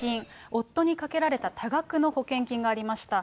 夫にかけられた多額の保険金がありました。